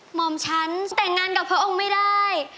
หมอมฉันแต่งงานกับพระองค์ไม่ได้